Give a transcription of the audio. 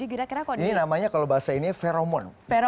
ini namanya kalau bahasa ini feromon